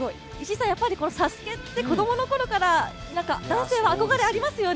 このＳＡＳＵＫＥって子供のころから男性って憧れ、ありますよね